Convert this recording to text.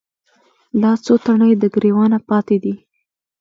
لا څــــو تڼۍ د ګــــــرېوانه پاتـې دي